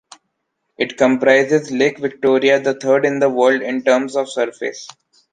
It comprises lake Victoria, the third in the world in terms of surface.